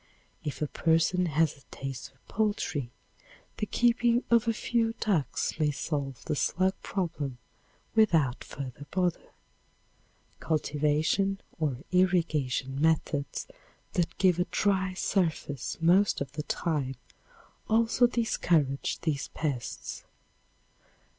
If a person has a taste for poultry, the keeping of a few ducks may solve the slug problem without further bother. Cultivation or irrigation methods that give a dry surface most of the time also discourage these pests.